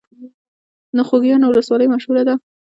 د خوږیاڼیو ولسوالۍ مشهوره ده